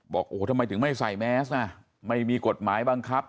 บอกโอ้โหทำไมถึงไม่ใส่แมสอ่ะไม่มีกฎหมายบังคับ